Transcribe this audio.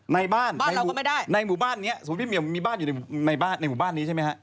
ในบ้านบ้านเราก็ไม่ได้ในหมู่บ้านนี้สมมุติพี่เหี่ยวมีบ้านอยู่ในบ้านในหมู่บ้านนี้ใช่ไหมฮะ